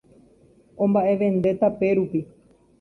Omba'evende tape rupi